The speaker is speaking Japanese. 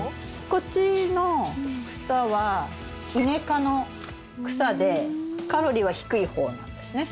こっちの草はイネ科の草でカロリーは低い方なんですね。